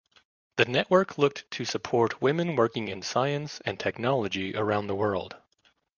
The network looked to support women working in science and technology around the world.